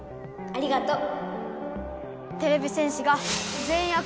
ありがとう。